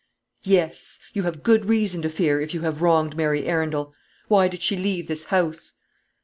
"Yes; you have good reason to fear, if you have wronged Mary Arundel. Why did she leave this house?"